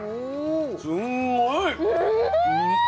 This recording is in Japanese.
すんごい！